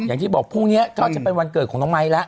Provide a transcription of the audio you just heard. อย่างที่บอกพรุ่งนี้ก็จะเป็นวันเกิดของน้องไม้แล้ว